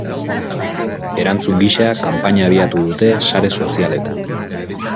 Erantzun gisa, kanpaina abiatu dute sare sozialetan.